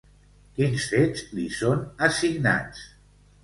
Quins fets li són assignats?